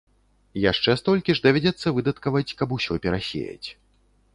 Яшчэ столькі ж давядзецца выдаткаваць, каб усё перасеяць.